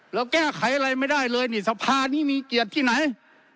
แล้วแก้ไขอะไรไม่ได้เลยสภานี่มีเกียจที่ไหน